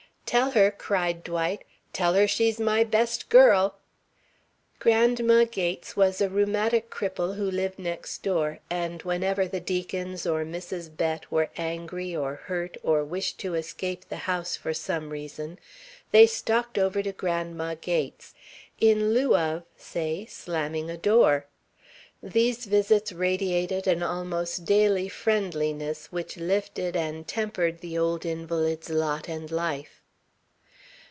"Tell her," cried Dwight, "tell her she's my best girl." Grandma Gates was a rheumatic cripple who lived next door, and whenever the Deacons or Mrs. Bett were angry or hurt or wished to escape the house for some reason, they stalked over to Grandma Gates in lieu of, say, slamming a door. These visits radiated an almost daily friendliness which lifted and tempered the old invalid's lot and life.